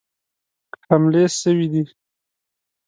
حملې سوي دي.